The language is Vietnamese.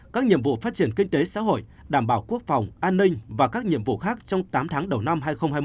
các nhiệm vụ phát triển kinh tế xã hội đảm bảo quốc phòng an ninh và các nhiệm vụ khác trong tám tháng đầu năm hai nghìn hai mươi